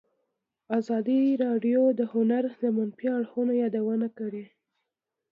ازادي راډیو د هنر د منفي اړخونو یادونه کړې.